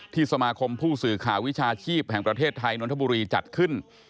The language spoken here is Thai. สมาคมผู้สื่อข่าววิชาชีพแห่งประเทศไทยนนทบุรีจัดขึ้น